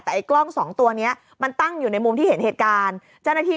แต่ไอ้กล้องสองตัวเนี้ยมันตั้งอยู่ในมุมที่เห็นเหตุการณ์เจ้าหน้าที่